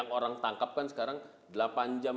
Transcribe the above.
yang orang tangkapkan sekarang delapan jam